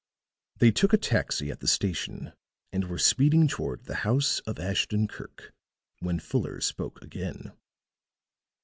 They took a taxi at the station and were speeding toward the house of Ashton Kirk, when Fuller spoke again.